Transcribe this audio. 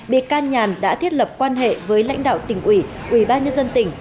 bị can nhàn đã thiết lập quan hệ với lãnh đạo tỉnh ủy ủy ban nhân dân tỉnh